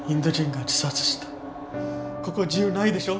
ここ自由ないでしょ？